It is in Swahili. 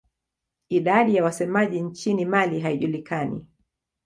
Idadi ya wasemaji nchini Mali haijulikani.